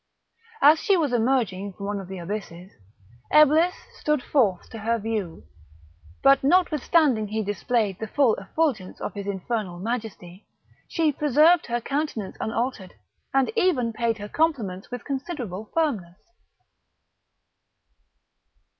As she was emerging from one of the abysses, Eblis stood forth to her view; but, notwithstanding he displayed the full effulgence of his infernal majesty, she preserved her countenance unaltered, and even paid her compliments with considerable firmness.